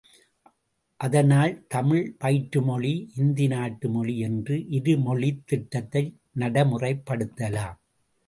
அதனால் தமிழ் பயிற்றுமொழி, இந்தி நாட்டு மொழி என்ற இரு மொழித் திட்டத்தை நடைமுறைப் படுத்தலாம்.